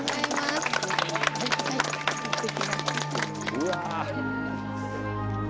うわ。